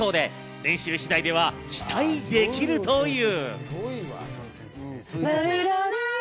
練習次第では期待できるという。